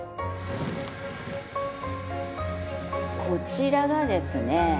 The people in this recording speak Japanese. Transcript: こちらがですね